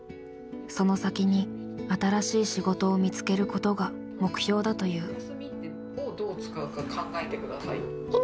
その先に新しい仕事を見つけることが目標だという。